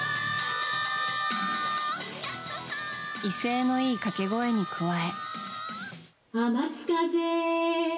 威勢のいい掛け声に加え。